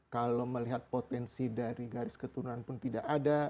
kalau melihat potensi dari garis keturunan pun tidak ada